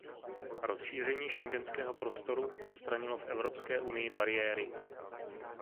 Rozšíření schengenského prostoru odstranilo v Evropské unii bariéry.